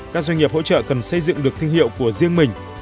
các doanh nghiệp hỗ trợ cần xây dựng được thương hiệu của riêng mình